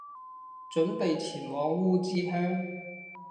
準備前往烏之鄉